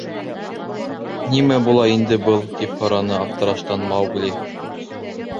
— Нимә була инде был? — тип һораны аптыраштан Маугли.